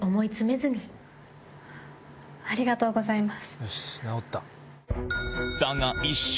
ありがとうございます。